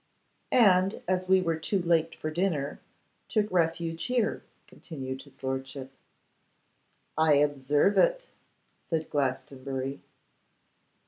'And as we were too late for dinner, took refuge here,' continued his lordship. 'I observe it,' said Glastonbury.